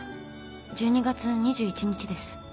１２月２１日です。